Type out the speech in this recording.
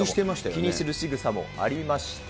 気にするしぐさもありました。